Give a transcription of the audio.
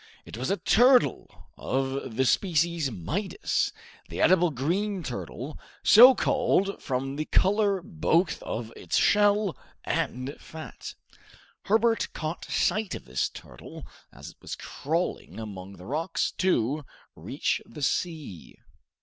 It was a turtle of the species Midas, the edible green turtle, so called from the color both of its shell and fat. Herbert caught sight of this turtle as it was crawling among the rocks to reach the sea.